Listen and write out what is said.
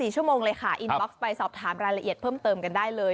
๔ชั่วโมงเลยค่ะอินบ็อกซ์ไปสอบถามรายละเอียดเพิ่มเติมกันได้เลย